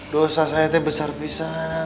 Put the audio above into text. dosa gue besar besar